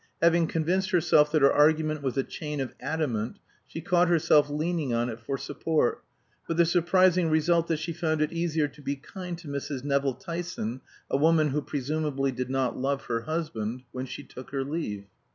Having convinced herself that her argument was a chain of adamant, she caught herself leaning on it for support, with the surprising result that she found it easier to be kind to Mrs. Nevill Tyson (a woman who presumably did not love her husband) when she took her leave.